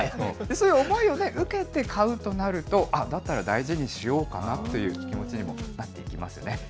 そういう思いを受けて買うとなると、だったら大事にしようかなという気持ちにもなっていきますよね。